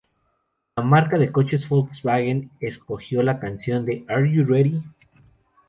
La marca de coches Volkswagen, escogió la canción "Are you ready?